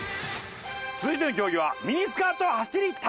続いての競技はミニスカート走り高跳び！